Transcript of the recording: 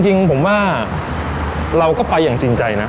จริงผมว่าเราก็ไปอย่างจริงใจนะ